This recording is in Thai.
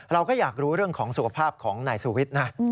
เราก็อยากรู้เรื่องของสุขภาพของนายสุวิทย์นะ